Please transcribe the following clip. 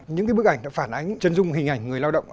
những bức ảnh phản ánh chân dung hình ảnh người lao động